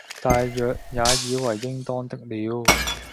大約也以爲應當的了。